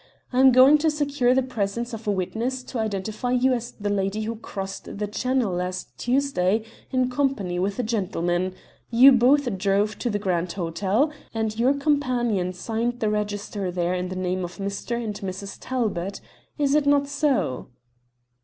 I am going to secure the presence of a witness to identify you as the lady who crossed the Channel last Tuesday in company with a gentleman. You both drove to the Grand Hotel, and your companion signed the register there in the names of Mr. and Mrs. Talbot; is it not so?"